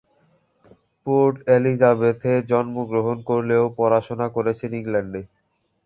Port এলিজাবেথে জন্মগ্রহণ করলেও পড়াশোনা করেছেন ইংল্যান্ডে।